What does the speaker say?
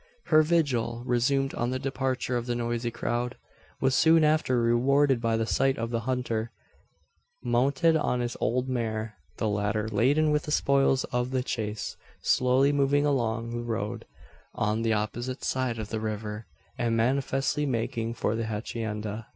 Her vigil, resumed on the departure of the noisy crowd, was soon after rewarded by the sight of the hunter, mounted on his old mare the latter laden with the spoils of the chase slowly moving along the road on the opposite side of the river, and manifestly making for the hacienda.